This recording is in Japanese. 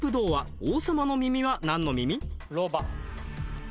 ロバ。